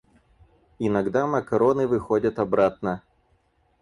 Иногда макароны выходят обратно.